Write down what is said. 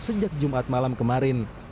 sejak jumat malam kemarin